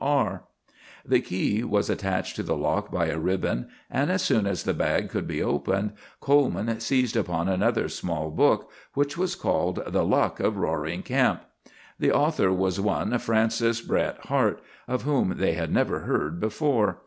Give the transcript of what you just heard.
R." The key was attached to the lock by a ribbon; and as soon as the bag could be opened, Coleman seized upon another small book which was called "The Luck of Roaring Camp." The author was one Francis Bret Harte, of whom they had never heard before.